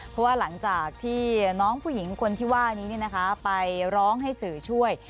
เพราะว่าหลังจากที่น้องผู้หญิงคนที่ว่านี้ไปร้องให้สื่อช่วย